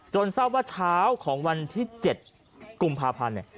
ทราบว่าเช้าของวันที่๗กุมภาพันธ์